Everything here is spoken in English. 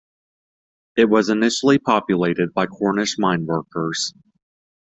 It was initially populated by Cornish mineworkers.